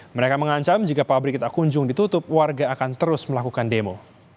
mereka mengancam jika pabrik kita kunjung ditutup warga akan terus melakukan demo